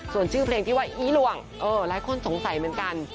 ส่วนชื่อเพลงที่ว่าอีหลวงหลายคนสงสัยเหมือนกัน